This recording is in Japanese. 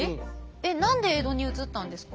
えっ何で江戸に移ったんですか？